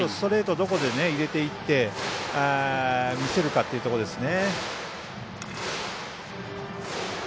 どこで入れていって見せるかというところですね。